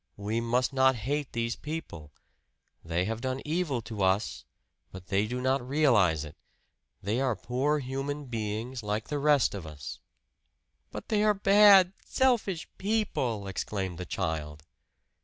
We must not hate these people. They have done evil to us, but they do not realize it they are poor human beings like the rest of us." "But they are bad, selfish people!" exclaimed the child.